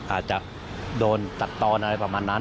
อาจจะโดนตัดตอนอะไรประมาณนั้น